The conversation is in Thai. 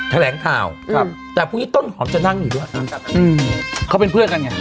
แถลงข่าวครับแต่พรุ่งนี้ต้นหอมจะนั่งอยู่ด้วยเขาเป็นเพื่อนกันไง